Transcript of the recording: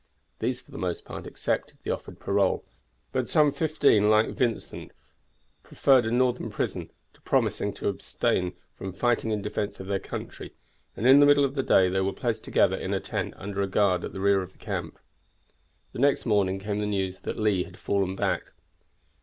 These for the most part accepted the offered parole; but some fifteen, like Vincent, preferred a Northern prison to promising to abstain from fighting in defense of their country, and in the middle of the day they were placed together in a tent under a guard at the rear of the camp. The next morning came the news that Lee had fallen back.